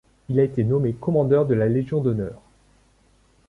Il a été nommé commandeur de la Légion d'honneur.